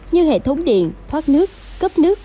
như hệ thống điện thoát nước cấp nước